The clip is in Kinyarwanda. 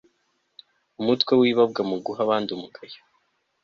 umutwe w ibabwa mu guha abandi umugayo